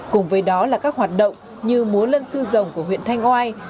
cùng với đó là các hoạt động như múa lân sư rồng của huyện thanh oai